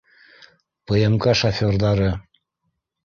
ПМК шоферҙары